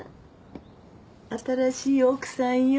新しい奥さんよ。